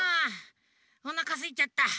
おなかすいちゃった。